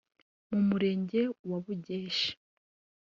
mu Murenge wa Bugeshi